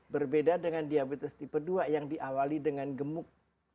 berbeda dengan diabetes tipe dua yang diawali dengan gemuk